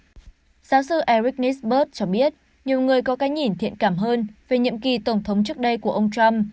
giáo sư eric nissburg cho biết nhiều người có cái nhìn thiện cảm hơn về nhiệm kỳ tổng thống trước đây của ông trump